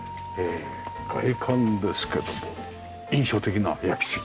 外観ですけども印象的な焼杉。